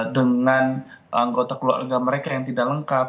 dengan anggota keluarga mereka yang tidak lengkap